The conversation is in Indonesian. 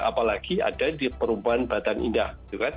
apalagi ada di perumahan badan indah